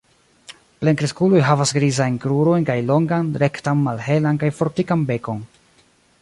Plenkreskuloj havas grizajn krurojn kaj longan, rektan, malhelan kaj fortikan bekon.